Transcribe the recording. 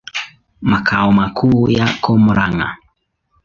Makao makuu yako Murang'a.